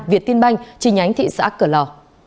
việt tiên banh trình ánh thị xã cửa lò